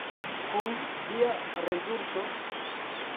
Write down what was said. Kun kia rezulto?